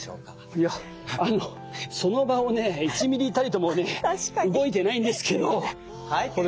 いやあのその場をね１ミリたりとも動いてないんですけどこれ。